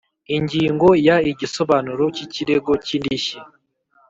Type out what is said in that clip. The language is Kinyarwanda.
Ingingo ya igisobanuro cy ikirego cy indishyi